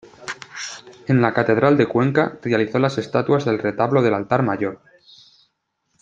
En la catedral de Cuenca, realizó las estatuas del retablo del altar mayor.